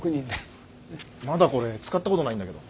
まだこれ使ったことないんだけど。